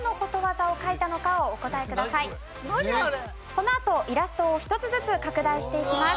このあとイラストを一つずつ拡大していきます。